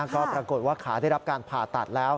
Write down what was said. ก็ปรากฏว่าขาได้รับการผ่าตัดแล้ว